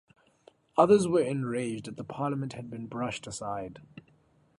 Others were enraged that the parliament had been brushed aside.